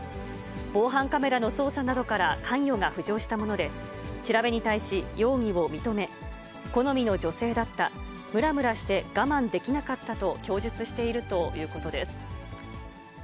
防犯カメラの捜査などから関与が浮上したもので、調べに対し、容疑を認め、好みの女性だった、むらむらして我慢できなかったと供述しているということです。